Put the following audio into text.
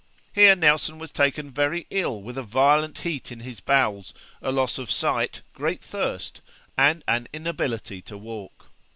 Here Nelson was taken very ill with a violent heat in his bowels, a loss of sight, great thirst, and an inability to walk.